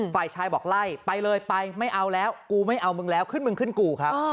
ฝ่ายชายบอกไล่ไปเลยไปไม่เอาแล้วกูไม่เอามึงแล้วขึ้นมึงขึ้นกูครับ